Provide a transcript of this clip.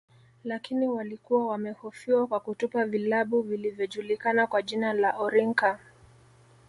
Lakini walikuwa wamehofiwa kwa kutupa vilabu vilvyojulikana kwa jina la orinka